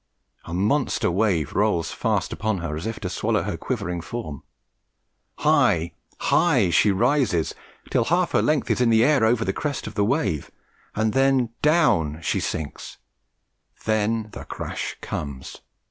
A monster wave rolls fast upon her as if to swallow her quivering form. High, high she rises, till half her length is in the air over the crest of the wave, and then down she sinks; then the crash comes.